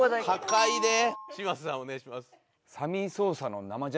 嶋佐さんお願いします。